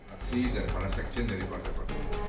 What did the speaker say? aksi dan transaksi dari partai partai